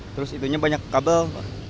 terus itu banyak kabel